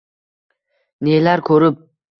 Nelar ko’rib